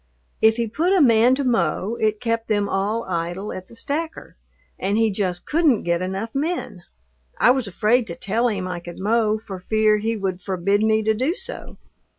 If he put a man to mow, it kept them all idle at the stacker, and he just couldn't get enough men. I was afraid to tell him I could mow for fear he would forbid me to do so.